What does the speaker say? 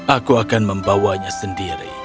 aku akan membawanya sendiri